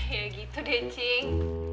ya gitu deh cing